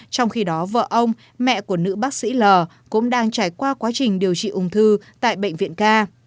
trong khi đó vợ ông mẹ của nữ bác sĩ l cũng đang trải qua quá trình điều trị ung thư tại bệnh viện ca